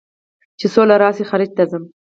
چې سوله راشي خارج ته ځم